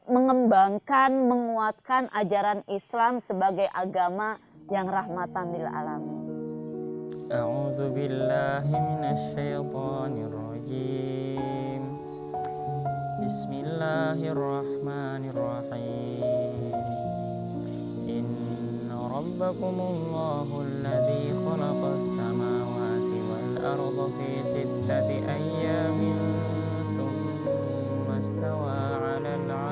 mengembangkan menguatkan ajaran islam sebagai agama yang rahmatan lil'alamin